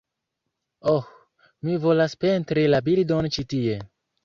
Oh, mi volas pentri la bildon ĉi tie